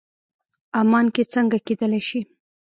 عمان کې څنګه کېدلی شي.